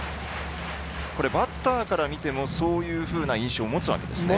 バッターから見てもそういうふうな印象を持つわけですね。